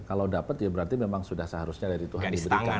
kalau dapat ya berarti memang sudah seharusnya dari tuhan diberikan